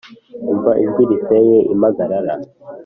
Umva ijwi riteye impagarara.